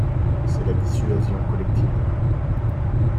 C’est la dissuasion collective.